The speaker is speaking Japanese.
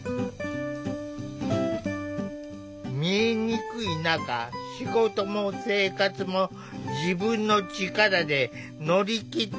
見えにくい中仕事も生活も自分の力で乗り切ってきた。